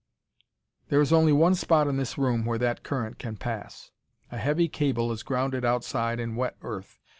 "There is only one spot in this room where that current can pass. A heavy cable is grounded outside in wet earth.